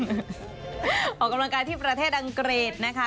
ออกกำลังกายที่ประเทศอังกฤษนะคะ